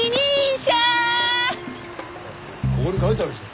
ここにかいてあるじゃ。